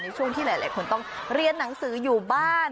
ช่วงที่หลายคนต้องเรียนหนังสืออยู่บ้าน